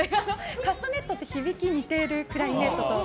カスタネットと響きが似てる、クラリネットと。